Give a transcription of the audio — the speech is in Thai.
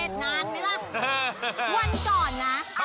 เทศน้ำเฮ้า